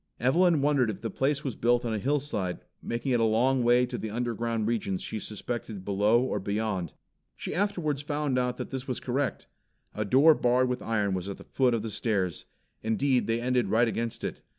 Evelyn wondered if the place was built on a hillside, making it a long way to the underground regions she suspected beyond or below. She afterwards found out that this was correct. A door barred with iron was at the foot of the stairs. Indeed, they ended right against it.